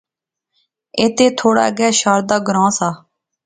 ایتھے تھوڑا اگے شاردا گراں سا